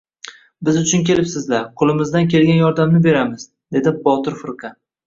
— Biz uchun kelibsizlar, qo‘limizdan kelgan yordamni beramiz, — dedi Botir firqa.